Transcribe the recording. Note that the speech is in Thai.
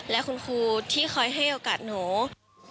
และคุณครูที่คอยให้โอกาสหนู